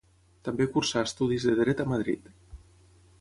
També cursà estudis de Dret a Madrid.